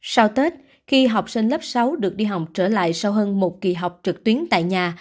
sau tết khi học sinh lớp sáu được đi học trở lại sau hơn một kỳ học trực tuyến tại nhà